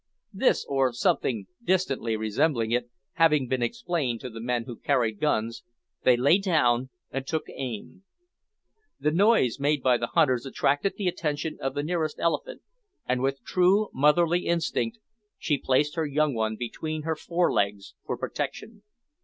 This, or something distantly resembling it, having been explained to the men who carried guns, they lay down and took aim. The noise made by the hunters attracted the attention of the nearest elephant, and, with true motherly instinct she placed her young one between her fore legs for protection.